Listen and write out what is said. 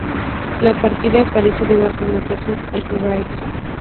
La partida aparece debajo en notación algebraica.